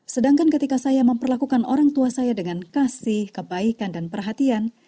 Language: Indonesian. sedangkan ketika saya memperlakukan orang tua saya dengan kasih kebaikan dan perhatian